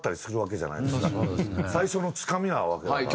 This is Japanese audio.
最初のつかみなわけだから。